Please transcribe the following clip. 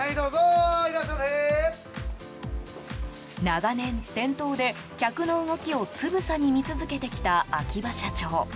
長年、店頭で客の動きをつぶさに見続けてきた秋葉社長。